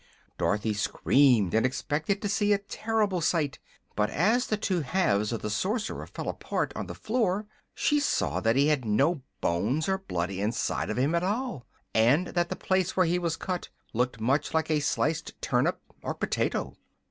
Dorothy screamed and expected to see a terrible sight; but as the two halves of the Sorcerer fell apart on the floor she saw that he had no bones or blood inside of him at all, and that the place where he was cut looked much like a sliced turnip or potato.